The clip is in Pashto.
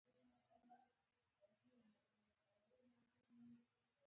دغه اصلاحات تر انفلاسیون وروسته رامنځته شول.